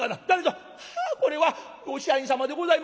「あこれはご支配人様でございますか」。